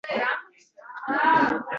So‘ngso‘z o‘rnida